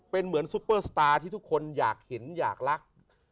เป็นเหมือนซุปเปอร์สตาร์ที่ทุกคนอยากเห็นอยากรัก